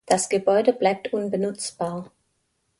Das Gebäude bleibt unbenutzbar.